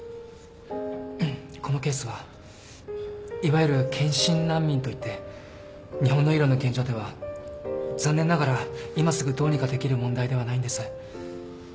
このケースはいわゆる検診難民といって日本の医療の現状では残念ながら今すぐどうにかできる問題ではないんです。